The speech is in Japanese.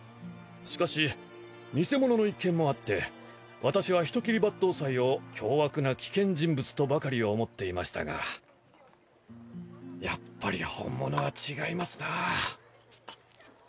しかし偽者の一件もあって私は人斬り抜刀斎を凶悪な危険人物とばかり思っていましたがやっぱり本物は違いますなぁ。